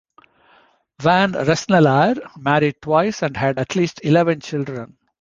Van Rensselaer married twice and had at least eleven children.